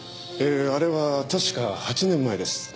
あれは確か８年前です。